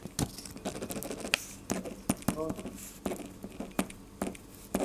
Muchas de estas organizaciones han adoptado el nombre de Círculo de Estudios Vivekananda.